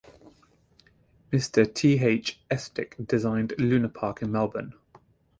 Mr. T. H. Estick, designed 'Luna Park', in Melbourne.